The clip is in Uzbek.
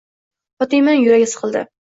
Fotimaning yuragi siqildi.